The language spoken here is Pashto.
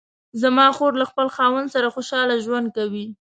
زما خور له خپل خاوند سره خوشحاله ژوند کوي